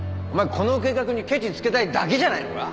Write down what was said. この計画にケチつけたいだけじゃないのか？